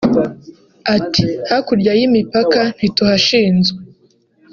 Ati “Hakurya y’imipaka ntituhashinzwe